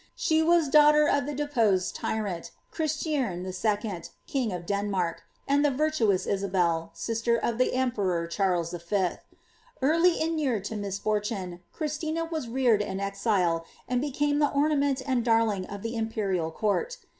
She was daughter of the depose<l tyrant, Christiern II., king of Denmark, and the virtuous Isabel, sister of the emperor Charles V. Early inured to misfortune* Christina was reared in exile, and became the ornament and darling of the imperial court.